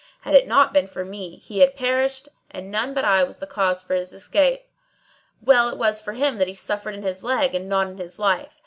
Had it not been for me he had perished and none but I was the cause of his escape. Well it was for him that he suffered in his leg and not in his life!